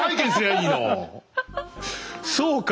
そうか。